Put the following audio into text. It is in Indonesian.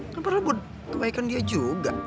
kan perlahan buat kebaikan dia juga